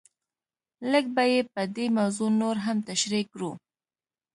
لږ به یې په دې موضوع نور هم تشریح کړو.